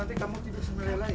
nanti kamu tidur sama rela ya